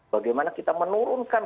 bagaimana kita menurunkan